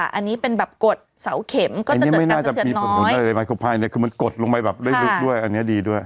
อันนี้เป็นแบบกดเสาเข็มก็จะเจอการสะเทือนน้อยไมโครไพรคือมันกดลงไปแบบด้วยด้วยอันนี้ดีด้วย